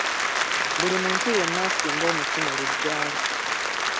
Buli muntu yenna asimbe omuti mu lugya lwe